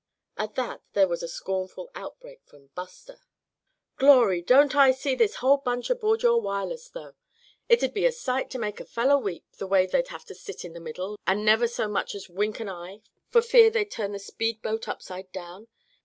At that there was a scornful outbreak from Buster. "Glory, don't I see this whole bunch aboard your Wireless, though? It'd be a sight to make a feller weep, the way they'd have to sit in the middle, and never so much as wink an eye for fear they'd turn the speed boat upside down.